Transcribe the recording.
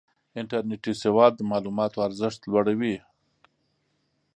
انټرنېټي سواد د معلوماتو ارزښت لوړوي.